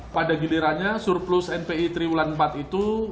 pada gilirannya surplus npi triwulan empat itu